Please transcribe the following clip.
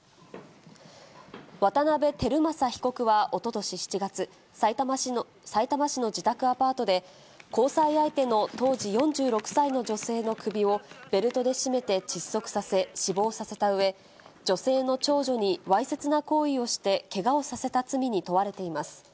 渡部晃正被告はおととし７月、さいたま市の自宅アパートで、交際相手の当時４６歳の女性の首をベルトで絞めて窒息させ、死亡させたうえ、女性の長女にわいせつな行為をして、けがをさせた罪に問われています。